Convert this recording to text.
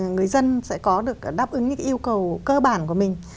người dân sẽ có được đáp ứng những yêu cầu cơ bản của mình